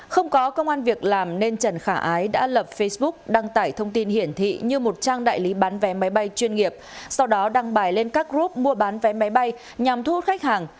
không có công an việc làm nên trần khả ái đã lập facebook đăng tải thông tin hiển thị như một trang đại lý bán vé máy bay chuyên nghiệp sau đó đăng bài lên các group mua bán vé máy bay nhằm thu hút khách hàng